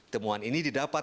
temuan ini didapat